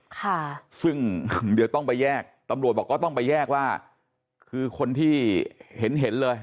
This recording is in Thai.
ค่ะซึ่งเดี๋ยวต้องไปแยกตำรวจบอกก็ต้องไปแยกว่าคือคนที่เห็นเห็นเลย